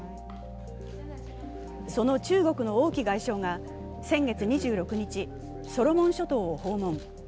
その中国の王毅外相が先月２６日、ソロモン諸島を訪問。